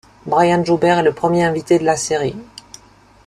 Brian Joubert est le premier invité de la série.